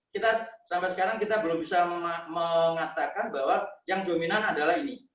kita sampai sekarang kita belum bisa mengatakan bahwa yang dominan adalah ini